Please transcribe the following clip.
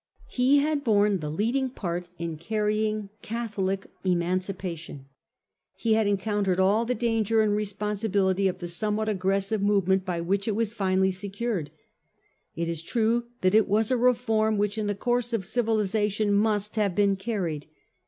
He had borne the leading part in carrying Catholic Emancipation. He had en countered all the danger and responsibility of the somewhat aggressive movement by which it was finally secured. It is true that it was a reform which in the course of civilisation must have been carried.